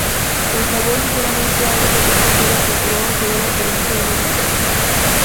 El sabor ligeramente agrio de este "suero cultivado" se debe al proceso de fermentación.